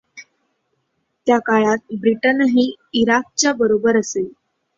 त्या काळात ब्रिटनही इराकच्या बरोबर असे.